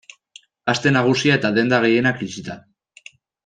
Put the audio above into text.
Aste Nagusia eta denda gehienak itxita.